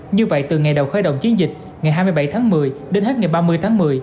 như vậy từ ngày đầu khởi động chiến dịch ngày hai mươi bảy tháng một mươi đến hết ngày ba mươi tháng một mươi